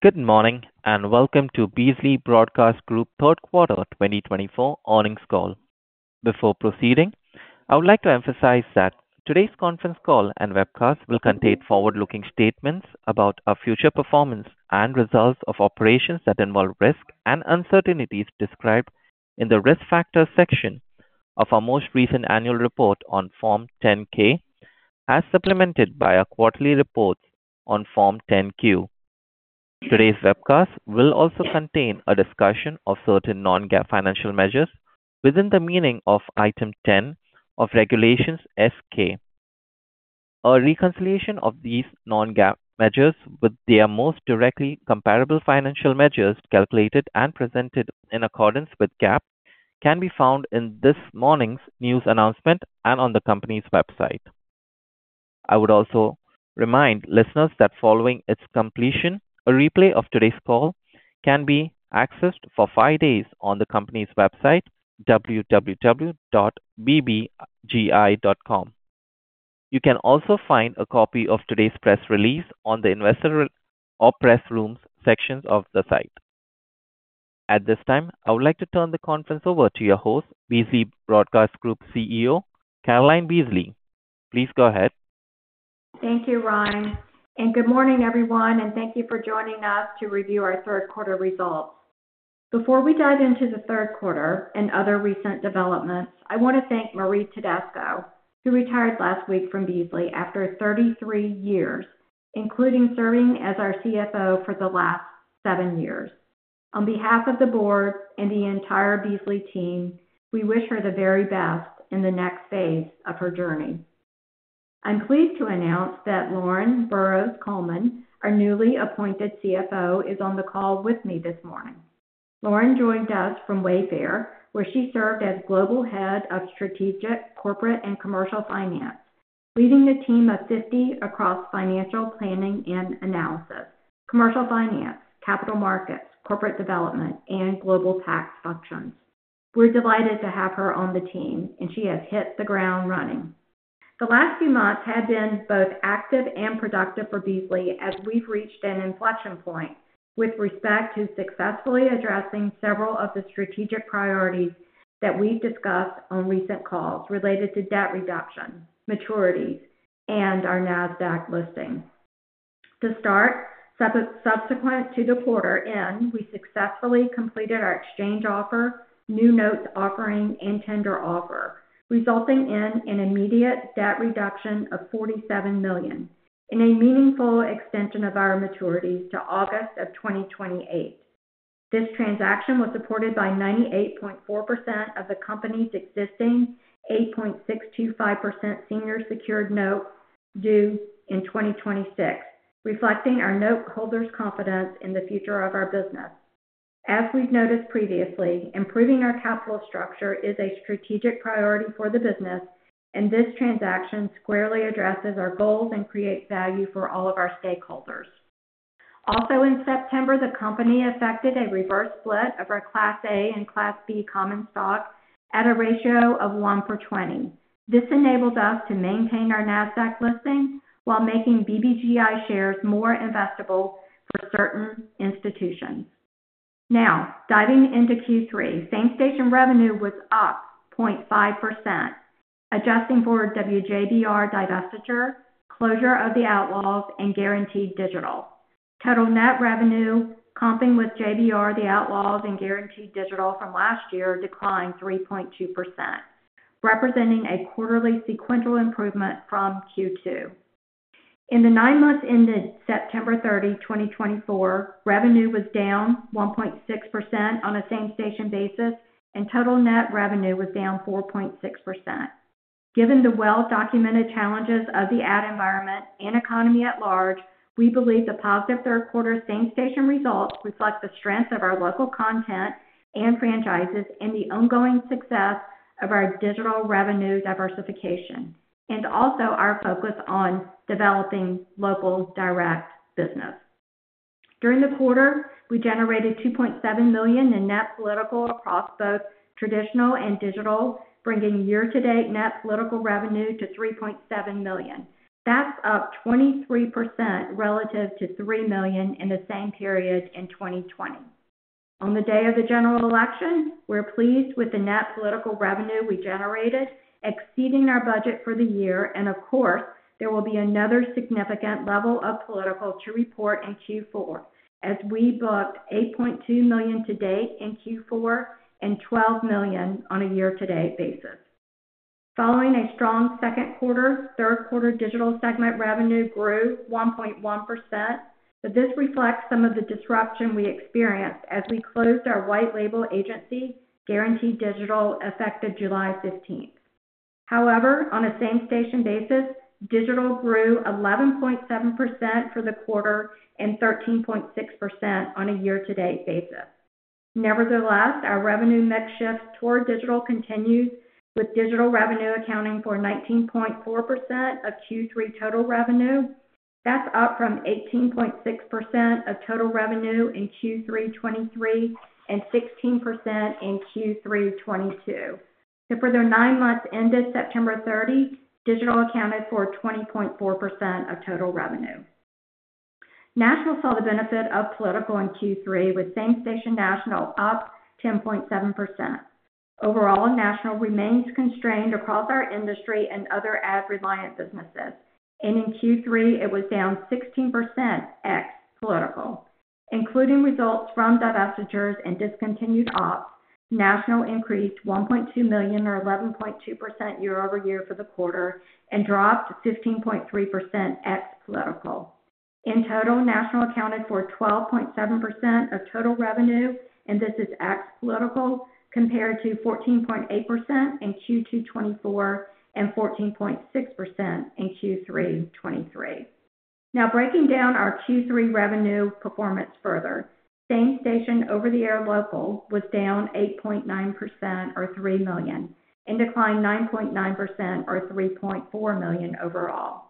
Good morning and welcome to Beasley Broadcast Group Third Quarter 2024 Earnings Call. Before proceeding, I would like to emphasize that today's conference call and webcast will contain forward-looking statements about our future performance and results of operations that involve risk and uncertainties described in the risk factor section of our most recent annual report on Form 10-K, as supplemented by our quarterly reports on Form 10-Q. Today's webcast will also contain a discussion of certain non-GAAP financial measures within the meaning of Item 10 of Regulation S-K. A reconciliation of these non-GAAP measures with their most directly comparable financial measures calculated and presented in accordance with GAAP can be found in this morning's news announcement and on the company's website. I would also remind listeners that following its completion, a replay of today's call can be accessed for five days on the company's website, www.bbgi.com. You can also find a copy of today's press release on the investor or press rooms sections of the site. At this time, I would like to turn the conference over to your host, Beasley Broadcast Group CEO, Caroline Beasley. Please go ahead. Thank you, Ryan. And good morning, everyone. And thank you for joining us to review our third quarter results. Before we dive into the third quarter and other recent developments, I want to thank Marie Tedesco, who retired last week from Beasley after 33 years, including serving as our CFO for the last seven years. On behalf of the board and the entire Beasley team, we wish her the very best in the next phase of her journey. I'm pleased to announce that Lauren Burrows Coleman, our newly appointed CFO, is on the call with me this morning. Lauren joined us from Wayfair, where she served as Global Head of Strategic Corporate and Commercial Finance, leading the team of 50 across financial planning and analysis, commercial finance, capital markets, corporate development, and global tax functions. We're delighted to have her on the team, and she has hit the ground running. The last few months have been both active and productive for Beasley as we've reached an inflection point with respect to successfully addressing several of the strategic priorities that we've discussed on recent calls related to debt reduction, maturities, and our NASDAQ listing. To start, subsequent to the quarter end, we successfully completed our exchange offer, new notes offering, and tender offer, resulting in an immediate debt reduction of $47 million and a meaningful extension of our maturities to August of 2028. This transaction was supported by 98.4% of the company's existing 8.625% senior secured note due in 2026, reflecting our noteholders' confidence in the future of our business. As we've noticed previously, improving our capital structure is a strategic priority for the business, and this transaction squarely addresses our goals and creates value for all of our stakeholders. Also, in September, the company effected a reverse split of our Class A and Class B common stock at a ratio of 1/20. This enabled us to maintain our NASDAQ listing while making BBGI shares more investable for certain institutions. Now, diving into Q3, same station revenue was up 0.5%, adjusting for WJBR divestiture, closure of the Outlaws, and Guaranteed Digital. Total net revenue, comping with JBR, the Outlaws, and Guaranteed Digital from last year, declined 3.2%, representing a quarterly sequential improvement from Q2. In the nine months ended September 30, 2024, revenue was down 1.6% on a same station basis, and total net revenue was down 4.6%. Given the well-documented challenges of the ad environment and economy at large, we believe the positive third quarter same station results reflect the strengths of our local content and franchises and the ongoing success of our digital revenue diversification and also our focus on developing local direct business. During the quarter, we generated $2.7 million in net political across both traditional and digital, bringing year-to-date net political revenue to $3.7 million. That's up 23% relative to $3 million in the same period in 2020. On the day of the general election, we're pleased with the net political revenue we generated, exceeding our budget for the year. And of course, there will be another significant level of political to report in Q4, as we booked $8.2 million to date in Q4 and $12 million on a year-to-date basis. Following a strong second quarter, third quarter digital segment revenue grew 1.1%, but this reflects some of the disruption we experienced as we closed our white-label agency Guaranteed Digital effective July 15th. However, on a same station basis, digital grew 11.7% for the quarter and 13.6% on a year-to-date basis. Nevertheless, our revenue mix shifts toward digital continues, with digital revenue accounting for 19.4% of Q3 total revenue. That's up from 18.6% of total revenue in Q3 2023 and 16% in Q3 2022. So for the nine months ended September 30, digital accounted for 20.4% of total revenue. National saw the benefit of political in Q3, with same station national up 10.7%. Overall, national remains constrained across our industry and other ad-reliant businesses. In Q3, it was down 16% ex political. Including results from divestitures and discontinued ops, national increased $1.2 million or 11.2% year-over-year for the quarter and dropped 15.3% ex-political. In total, national accounted for 12.7% of total revenue, and this is ex-political compared to 14.8% in Q2 2024 and 14.6% in Q3 2023. Now, breaking down our Q3 revenue performance further, same station over-the-air local was down 8.9% or $3 million and declined 9.9% or $3.4 million overall.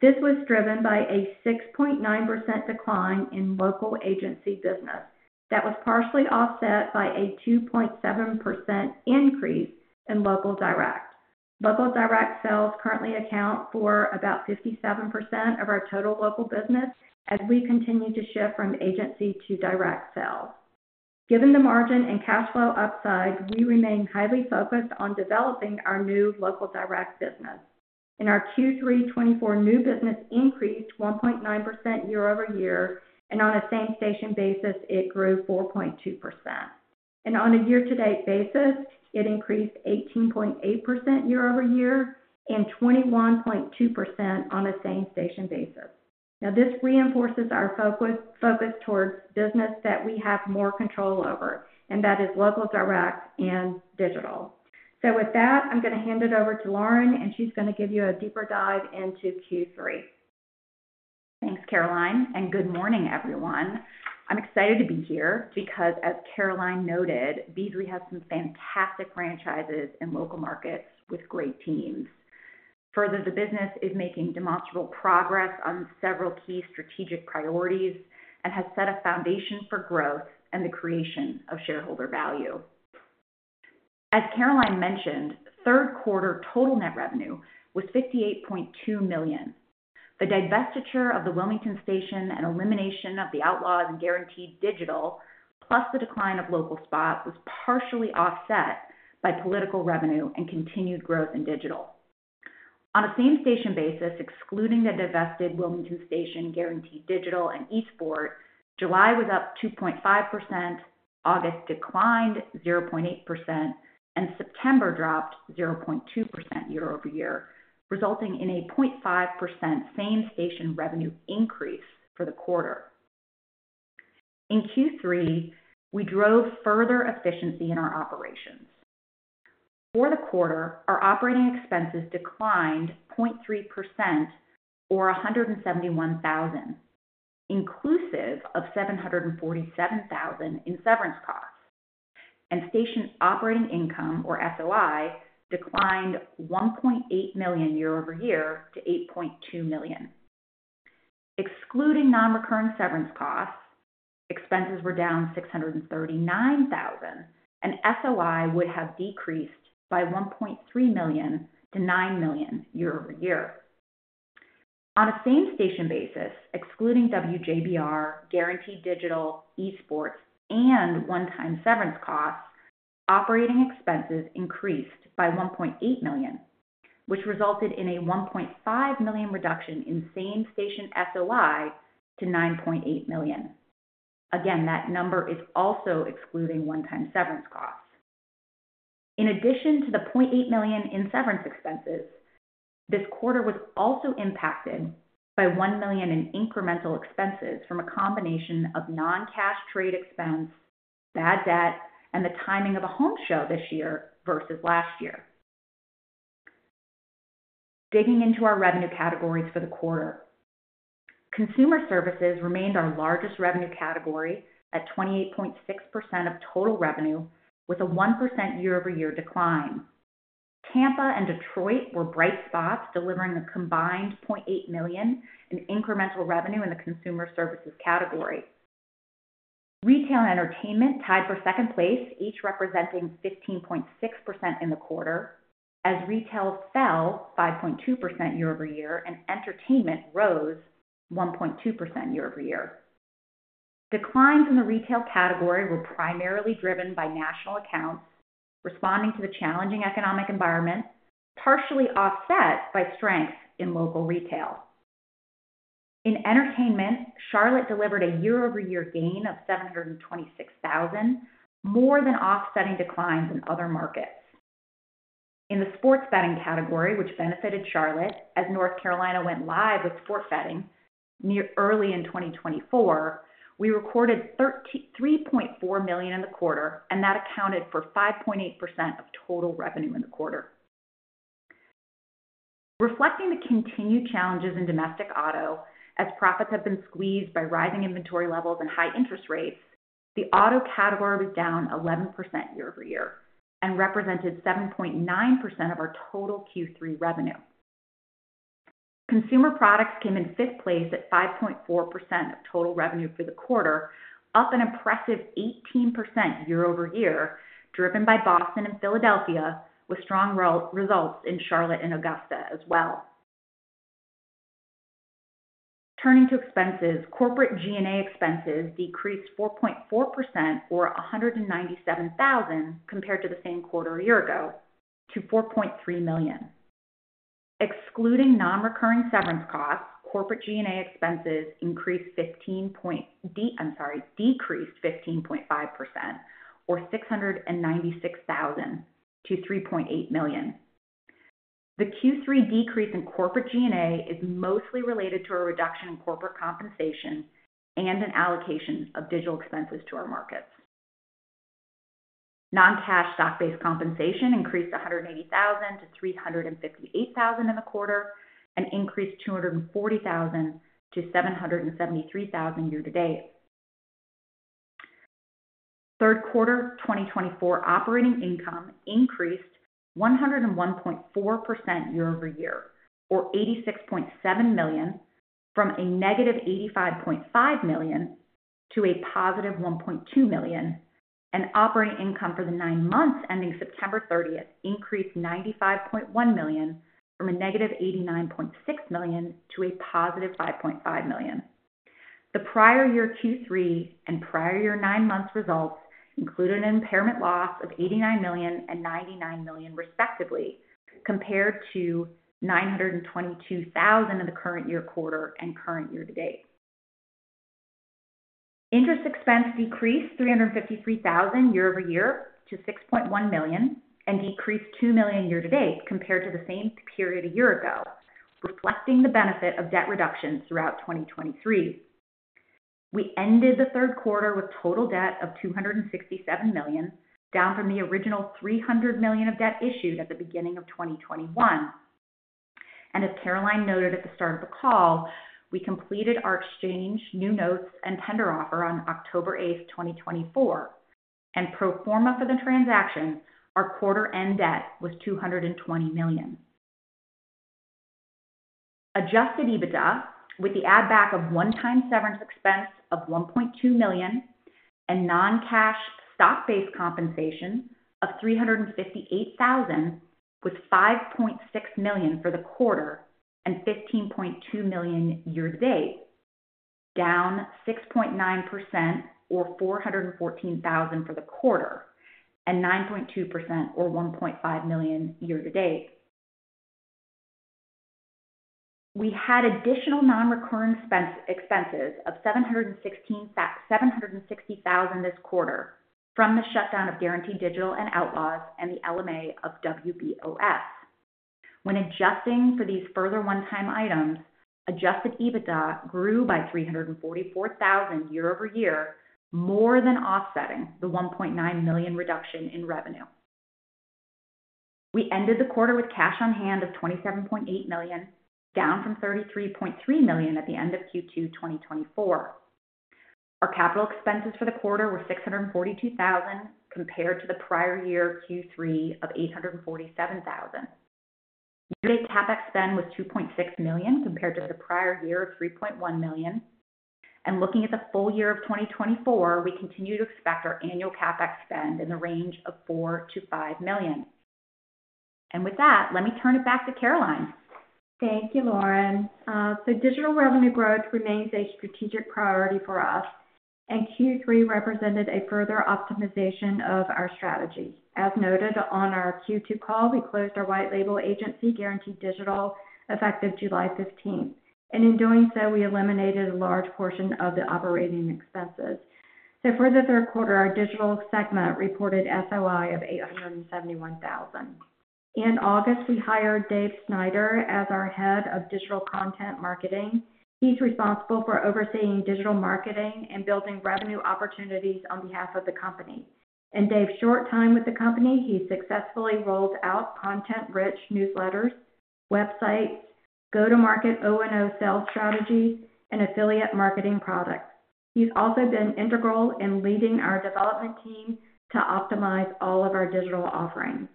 This was driven by a 6.9% decline in local agency business that was partially offset by a 2.7% increase in local direct. Local direct sales currently account for about 57% of our total local business as we continue to shift from agency to direct sales. Given the margin and cash flow upside, we remain highly focused on developing our new local direct business. In our Q3 2024, new business increased 1.9% year-over-year, and on a same station basis, it grew 4.2%. And on a year-to-date basis, it increased 18.8% year-over-year and 21.2% on a same station basis. Now, this reinforces our focus towards business that we have more control over, and that is local direct and digital. So with that, I'm going to hand it over to Lauren, and she's going to give you a deeper dive into Q3. Thanks, Caroline. And good morning, everyone. I'm excited to be here because, as Caroline noted, Beasley has some fantastic franchises and local markets with great teams. Further, the business is making demonstrable progress on several key strategic priorities and has set a foundation for growth and the creation of shareholder value. As Caroline mentioned, third quarter total net revenue was $58.2 million. The divestiture of the Wilmington station and elimination of the Outlaws and Guaranteed Digital, plus the decline of local spots, was partially offset by political revenue and continued growth in digital. On a same station basis, excluding the divested Wilmington station, Guaranteed Digital, and eSports, July was up 2.5%, August declined 0.8%, and September dropped 0.2% year-over-year, resulting in a 0.5% same station revenue increase for the quarter. In Q3, we drove further efficiency in our operations. For the quarter, our operating expenses declined 0.3% or $171,000, inclusive of $747,000 in severance costs. And station operating income, or SOI, declined $1.8 million year-over-year to $8.2 million. Excluding non-recurring severance costs, expenses were down $639,000, and SOI would have decreased by $1.3 million to $9 million year-over-year. On a same station basis, excluding WJBR, Guaranteed Digital, eSports, and one-time severance costs, operating expenses increased by $1.8 million, which resulted in a $1.5 million reduction in same station SOI to $9.8 million. Again, that number is also excluding one-time severance costs. In addition to the $0.8 million in severance expenses, this quarter was also impacted by $1 million in incremental expenses from a combination of non-cash trade expense, bad debt, and the timing of a home show this year versus last year. Digging into our revenue categories for the quarter, consumer services remained our largest revenue category at 28.6% of total revenue, with a 1% year-over-year decline. Tampa and Detroit were bright spots, delivering a combined $0.8 million in incremental revenue in the consumer services category. Retail and entertainment tied for second place, each representing 15.6% in the quarter, as retail fell 5.2% year-over-year and entertainment rose 1.2% year-over-year. Declines in the retail category were primarily driven by national accounts responding to the challenging economic environment, partially offset by strengths in local retail. In entertainment, Charlotte delivered a year-over-year gain of $726,000, more than offsetting declines in other markets. In the sports betting category, which benefited Charlotte as North Carolina went live with sports betting early in 2024, we recorded $3.4 million in the quarter, and that accounted for 5.8% of total revenue in the quarter. Reflecting the continued challenges in domestic auto, as profits have been squeezed by rising inventory levels and high interest rates, the auto category was down 11% year-over-year and represented 7.9% of our total Q3 revenue. Consumer products came in fifth place at 5.4% of total revenue for the quarter, up an impressive 18% year-over-year, driven by Boston and Philadelphia, with strong results in Charlotte and Augusta as well. Turning to expenses, corporate G&A expenses decreased 4.4% or $197,000 compared to the same quarter a year ago, to $4.3 million. Excluding non-recurring severance costs, corporate G&A expenses decreased 15.5% or $696,000 to $3.8 million. The Q3 decrease in corporate G&A is mostly related to a reduction in corporate compensation and an allocation of digital expenses to our markets. Non-cash stock-based compensation increased $180,000 to $358,000 in the quarter and increased $240,000 to $773,000 year-to-date. Third quarter 2024 operating income increased 101.4% year-over-year or $86.7 million from a -$85.5 million to a +$1.2 million, and operating income for the nine months ending September 30th increased $95.1 million from a -$89.6 million to a +$5.5 million. The prior year Q3 and prior year nine months results included an impairment loss of $89 million and $99 million, respectively, compared to $922,000 in the current year quarter and current year-to-date. Interest expense decreased $353,000 year-over-year to $6.1 million and decreased $2 million year-to-date compared to the same period a year ago, reflecting the benefit of debt reduction throughout 2023. We ended the third quarter with total debt of $267 million, down from the original $300 million of debt issued at the beginning of 2021. As Caroline noted at the start of the call, we completed our exchange, new notes, and tender offer on October 8th, 2024. Proforma for the transaction, our quarter-end debt was $220 million. Adjusted EBITDA, with the add-back of one-time severance expense of $1.2 million and non-cash stock-based compensation of $358,000, was $5.6 million for the quarter and $15.2 million year-to-date, down 6.9% or $414,000 for the quarter and 9.2% or $1.5 million year-to-date. We had additional non-recurring expenses of $760,000 this quarter from the shutdown of Guaranteed Digital and Outlaws and the LMA of WBOS. When adjusting for these further one-time items, adjusted EBITDA grew by $344,000 year-over-year, more than offsetting the $1.9 million reduction in revenue. We ended the quarter with cash on hand of $27.8 million, down from $33.3 million at the end of Q2 2024. Our capital expenses for the quarter were $642,000 compared to the prior year Q3 of $847,000. Year-to-date CapEx spend was $2.6 million compared to the prior year of $3.1 million. Looking at the full year of 2024, we continue to expect our annual CapEx spend in the range of $4 million-$5 million. With that, let me turn it back to Caroline. Thank you, Lauren. So digital revenue growth remains a strategic priority for us, and Q3 represented a further optimization of our strategy. As noted on our Q2 call, we closed our white-label agency Guaranteed Digital effective July 15th. And in doing so, we eliminated a large portion of the operating expenses. So for the third quarter, our digital segment reported SOI of $871,000. In August, we hired Dave Snyder as our head of digital content marketing. He's responsible for overseeing digital marketing and building revenue opportunities on behalf of the company. In Dave's short time with the company, he successfully rolled out content-rich newsletters, websites, go-to-market O&O sales strategies, and affiliate marketing products. He's also been integral in leading our development team to optimize all of our digital offerings.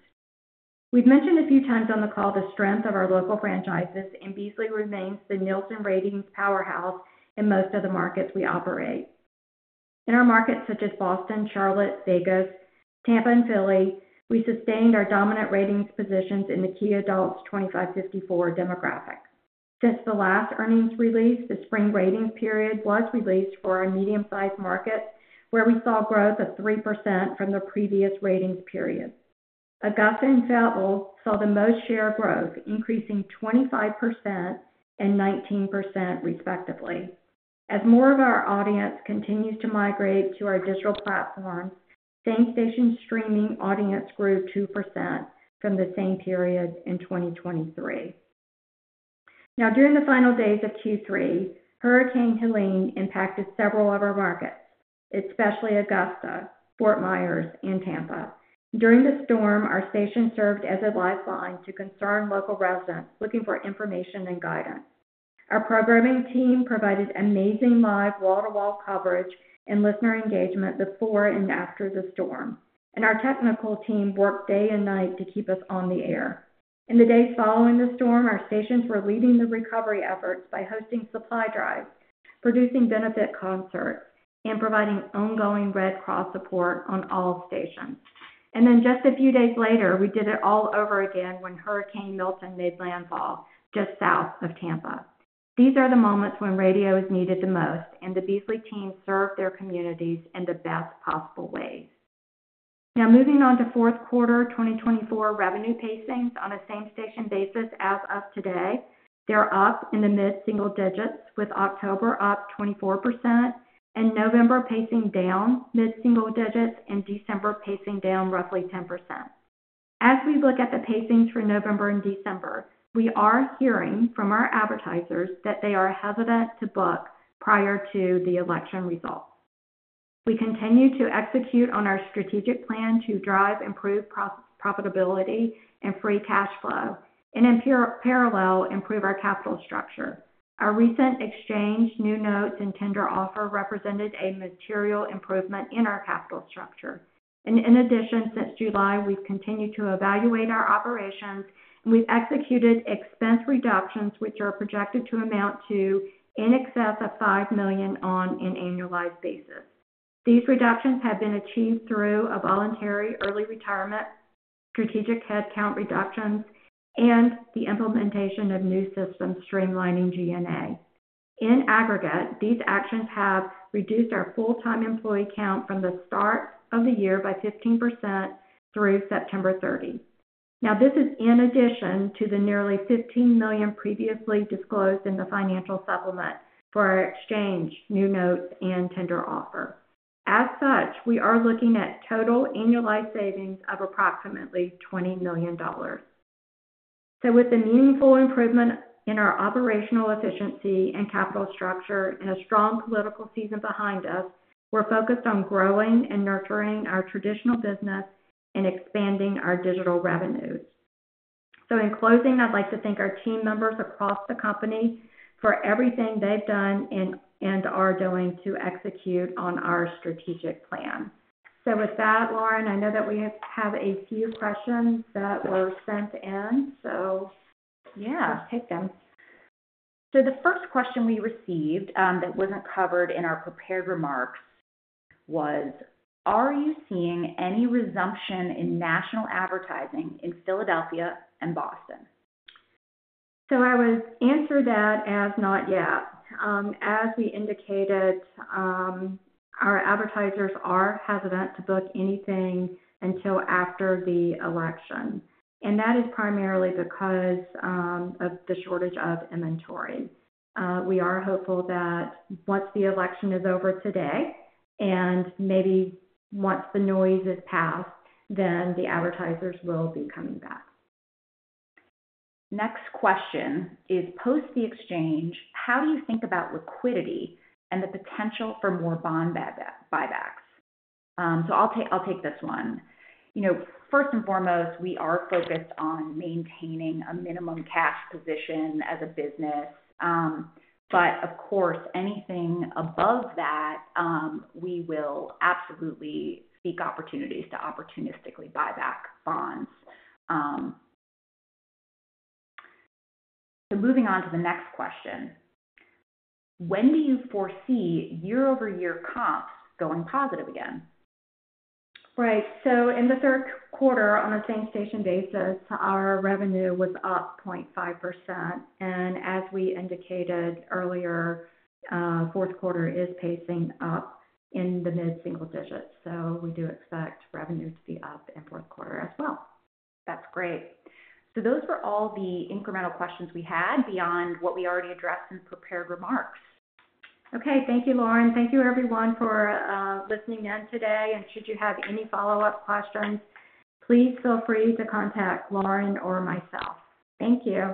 We've mentioned a few times on the call the strength of our local franchises, and Beasley remains the Nielsen ratings powerhouse in most of the markets we operate. In our markets such as Boston, Charlotte, Vegas, Tampa, and Philly, we sustained our dominant ratings positions in the key adults 25-54 demographic. Since the last earnings release, the spring ratings period was released for our medium-sized markets, where we saw growth of 3% from the previous ratings period. Augusta and Fayetteville saw the most share growth, increasing 25% and 19%, respectively. As more of our audience continues to migrate to our digital platforms, same station streaming audience grew 2% from the same period in 2023. Now, during the final days of Q3, Hurricane Helene impacted several of our markets, especially Augusta, Fort Myers, and Tampa. During the storm, our station served as a lifeline to concerned local residents looking for information and guidance. Our programming team provided amazing live wall-to-wall coverage and listener engagement before and after the storm, and our technical team worked day and night to keep us on the air. In the days following the storm, our stations were leading the recovery efforts by hosting supply drives, producing benefit concerts, and providing ongoing Red Cross support on all stations, and then just a few days later, we did it all over again when Hurricane Milton made landfall just south of Tampa. These are the moments when radio is needed the most, and the Beasley team served their communities in the best possible ways. Now, moving on to fourth quarter 2024 revenue pacings on a same station basis as of today, they're up in the mid-single digits, with October up 24% and November pacing down mid-single digits and December pacing down roughly 10%. As we look at the pacings for November and December, we are hearing from our advertisers that they are hesitant to book prior to the election results. We continue to execute on our strategic plan to drive improved profitability and free cash flow and, in parallel, improve our capital structure. Our recent exchange, new notes, and tender offer represented a material improvement in our capital structure, and in addition, since July, we've continued to evaluate our operations, and we've executed expense reductions, which are projected to amount to in excess of $5 million on an annualized basis. These reductions have been achieved through a voluntary early retirement, strategic headcount reductions, and the implementation of new systems streamlining G&A. In aggregate, these actions have reduced our full-time employee count from the start of the year by 15% through September 30. Now, this is in addition to the nearly $15 million previously disclosed in the financial supplement for our exchange, new notes, and tender offer. As such, we are looking at total annualized savings of approximately $20 million. So, with the meaningful improvement in our operational efficiency and capital structure and a strong political season behind us, we're focused on growing and nurturing our traditional business and expanding our digital revenues. So, in closing, I'd like to thank our team members across the company for everything they've done and are doing to execute on our strategic plan. So, with that, Lauren, I know that we have a few questions that were sent in, so yeah, let's take them. Yeah. So, the first question we received that wasn't covered in our prepared remarks was, "Are you seeing any resumption in national advertising in Philadelphia and Boston?" So, I would answer that as not yet. As we indicated, our advertisers are hesitant to book anything until after the election. And that is primarily because of the shortage of inventory. We are hopeful that once the election is over today and maybe once the noise is passed, then the advertisers will be coming back. Next question is, "Post the exchange, how do you think about liquidity and the potential for more bond buybacks?" So, I'll take this one. First and foremost, we are focused on maintaining a minimum cash position as a business. But, of course, anything above that, we will absolutely seek opportunities to opportunistically buy back bonds. So, moving on to the next question, "When do you foresee year-over-year comps going positive again?" Right. So, in the third quarter, on a same station basis, our revenue was up 0.5%, and as we indicated earlier, fourth quarter is pacing up in the mid-single digits, so we do expect revenue to be up in fourth quarter as well. That's great. So, those were all the incremental questions we had beyond what we already addressed in prepared remarks. Okay. Thank you, Lauren. Thank you, everyone, for listening in today, and should you have any follow-up questions, please feel free to contact Lauren or myself. Thank you.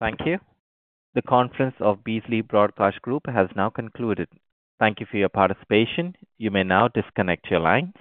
Thank you. The conference of Beasley Broadcast Group has now concluded. Thank you for your participation. You may now disconnect your lines.